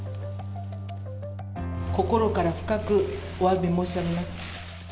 心から深くおわび申し上げます。